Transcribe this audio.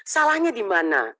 salahnya di mana